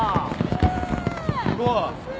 すごい。